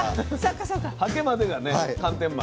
はけまでがね寒天マン。